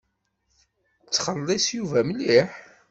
Tettxelliṣ Yuba mliḥ.